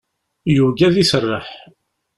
Yugi ad iserreḥ.